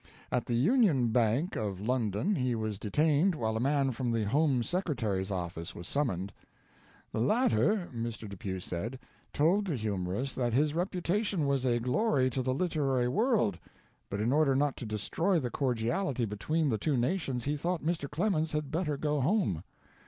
At the Union Bank of London he was detained while a man from the Home Secretary's office was summoned. The latter, Mr. Depew said, told the humorist that his reputation was a glory to the literary world, but in order not to destroy the coridality between the two nations he though Mr. Clemens had better go home.